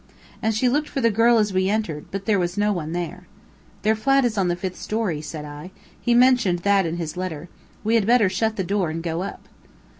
And she looked for the girl as we entered. But there was no one there. "Their flat is on the fifth story," said I. "He mentioned that in his letter. We had better shut the door and go up."